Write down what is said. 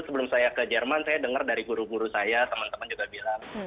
sebelum saya ke jerman saya dengar dari guru guru saya teman teman juga bilang